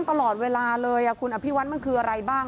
แต่เราก็ได้ยินเสียงปั้งตลอดเวลาเลยคุณอภิวัติมันคืออะไรบ้าง